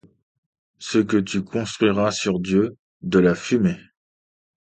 Ce que tu construiras sur Dieu ? de la fumée.